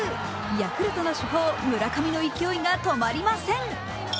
ヤクルトの主砲・村上の勢いが止まりません。